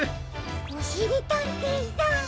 おしりたんていさん！